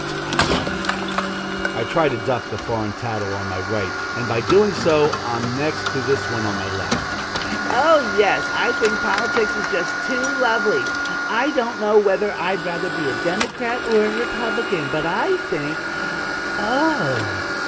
Tush! I tried to duck the foreign tattle on my right and by so doing I'm next to this on my left: "Oh, yes; I think politics is just too lovely! I don't know whether I'd rather be a Democrat or a Republican, but I think oh!